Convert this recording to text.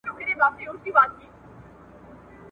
خو ډېر ژر ښځه په سترګو نابینا سوه !.